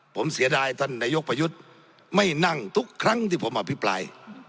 ผมเสียดายท่านนายกประยุทธ์ไม่นั่งทุกครั้งที่ผมอภิปราย